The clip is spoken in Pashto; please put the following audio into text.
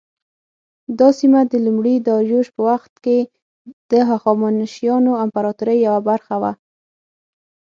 دا سیمه د لومړي داریوش په وخت کې د هخامنشیانو امپراطورۍ یوه برخه وه.